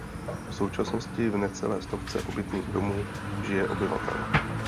V současnosti v necelé stovce obytných domů žije obyvatel.